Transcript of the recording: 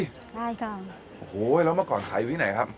ใช่ค่ะโอ้โหแล้วเมื่อก่อนขายอยู่ที่ไหนครับ